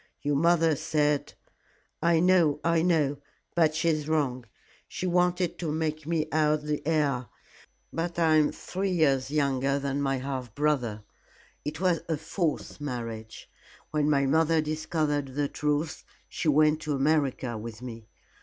"Your mother said " "I know I know, but she is wrong. She wanted to make me out the heir. But I am three years younger than my half brother. It was a false marriage. When my mother discovered the truth, she went to America with me.